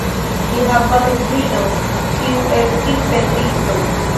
Li havas edzinon, kiu estis pentristo.